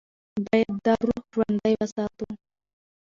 باید دا روح ژوندۍ وساتو.